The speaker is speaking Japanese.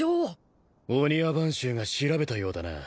御庭番衆が調べたようだな。